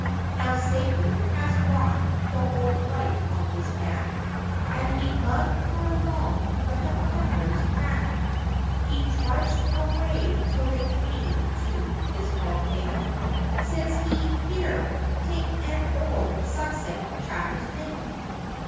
Now Satan has got the old wife on his back, And he lugged her along, like a pedlar's pack. He trudged away till they came to his hall gate, Says he, 'Here! take in an old Sussex chap's mate!